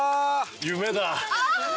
夢だ。